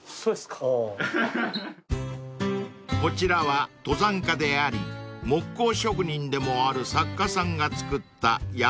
［こちらは登山家であり木工職人でもある作家さんが作った山のオブジェ］